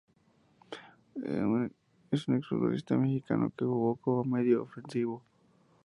Es un futbolista mexicano que jugó como medio ofensivo.